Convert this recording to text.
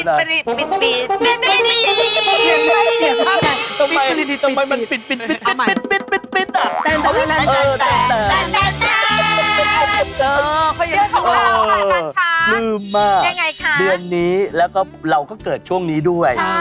หนูแทรกค่ะทำไมมันปิดปิดปิด